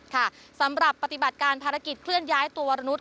ค่ะสำหรับปฏิบัติการภารกิจเคลื่อนย้ายตัววรนุษย